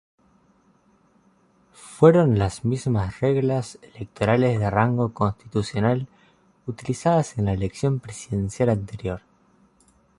Fueron las mismas reglas electorales de rango constitucional utilizadas en la elección presidencial anterior.